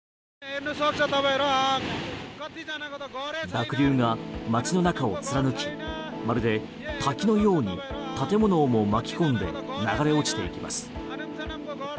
濁流が街の中を貫きまるで滝のように建物も巻き込んで流れ落ちていきます。